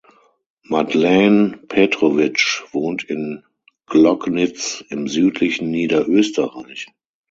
Madeleine Petrovic wohnt in Gloggnitz im südlichen Niederösterreich.